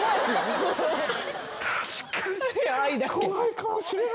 確かに。